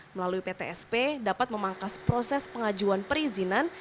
melalui ptsp dapat memangkas proses pengajuan perizinan